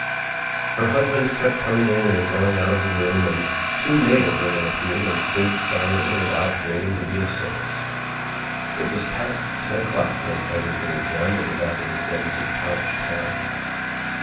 Her husband kept com ing in and going out of the room and two neighbor women appeared and stood silently about waiting to be of service. It was past ten o'clock when everything was done and the doctor was ready to depart for town.